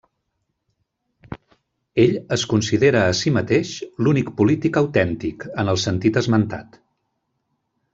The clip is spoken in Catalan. Ell es considera a si mateix l'únic polític autèntic, en el sentit esmentat.